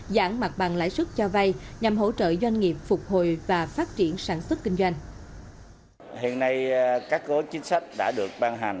giảm mặt bằng lãi suất cho vay nhằm hỗ trợ doanh nghiệp phục hồi và phát triển sản xuất kinh doanh